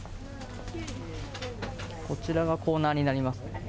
こちらがコーナーになりますね。